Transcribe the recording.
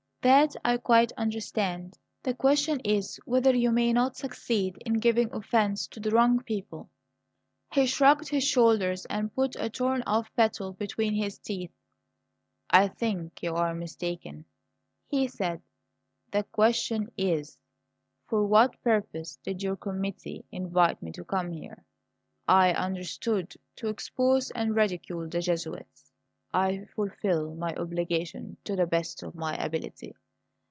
"That I quite understand. The question is whether you may not succeed in giving offence to the wrong people." He shrugged his shoulders and put a torn off petal between his teeth. "I think you are mistaken," he said. "The question is: For what purpose did your committee invite me to come here? I understood, to expose and ridicule the Jesuits. I fulfil my obligation to the best of my ability."